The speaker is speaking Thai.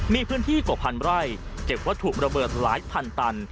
มีพื้นที่กว่าพันไร่เก็บวัตถุระเบิดหลายพันตัน